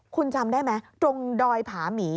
คุณจำได้ไหมตรงดอยผาหมี